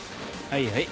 はいはい。